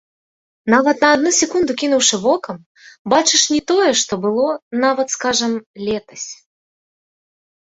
Нават на адну секунду кінуўшы вокам, бачыш не тое, што было нават, скажам, летась.